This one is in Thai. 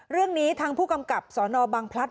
เรื่องนี้ทางผู้กำกับสนบังพลัด